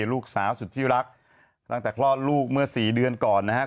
ลูกสาวสุดที่รักตั้งแต่คลอดลูกเมื่อสี่เดือนก่อนนะครับ